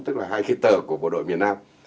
tức là hai khi tờ của bộ đội miền nam